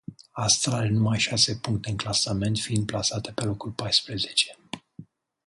Astra are numai șase puncte în clasament, fiind plasată pe locul paisprezece.